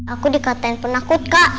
aku dikatain penakut kak